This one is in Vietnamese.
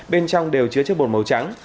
bên trong đều chế chất bột màu trắng